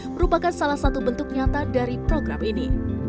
merupakan salah satu bentuk nyata dari program ini